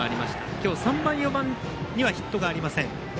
今日３番、４番にはヒットがありません。